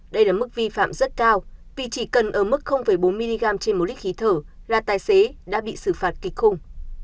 đây là mức vi phạm rất cao vì chỉ cần ở mức bốn mg trên một lít khí thở là tài xế đã bị xử phạt kịch khung